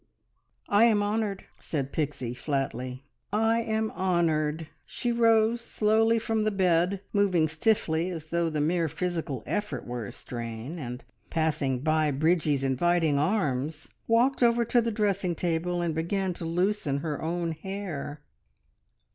"I am honoured!" said Pixie flatly. "I am honoured!" She rose slowly from the bed, moving stiffly as though the mere physical effort were a strain, and passing by Bridgie's inviting arms walked over to the dressing table and began to loosen her own hair.